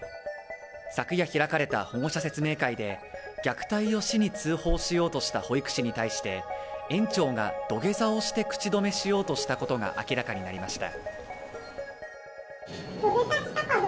昨夜開かれた保護者説明会で虐待を市に通報しようとした保育士に対して、園長が土下座をして口止めしようとしたことが明らかになりました。